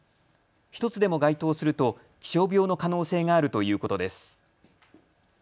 １つでも該当すると気象病の可能性があるということです。